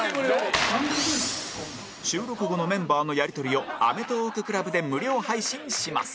収録後のメンバーのやり取りをアメトーーク ＣＬＵＢ で無料配信します